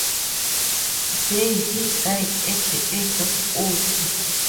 There he died at the age of forty.